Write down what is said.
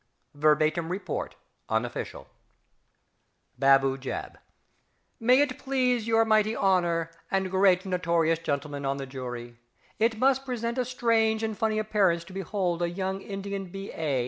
VERBATIM REPORT (unofficial). Baboo Jab. May it please your mighty honour and great notorious gentlemen on the jury, it must present a strange and funny appearance to behold a young Indian B.A.